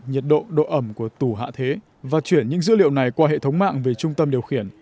nhiệt độ độ ẩm của tù hạ thế và chuyển những dữ liệu này qua hệ thống mạng về trung tâm điều khiển